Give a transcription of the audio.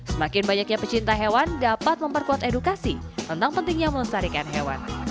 semakin banyaknya pecinta hewan dapat memperkuat edukasi tentang pentingnya melestarikan hewan